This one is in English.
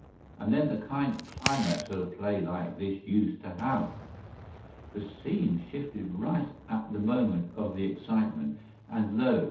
And then the kind of climax that a play like this used to have! The scene shifted right at the moment of the excitement, and lo!